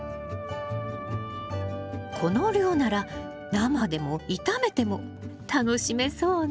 この量なら生でも炒めても楽しめそうね。